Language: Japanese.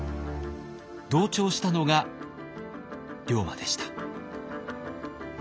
同調したのが龍馬でした。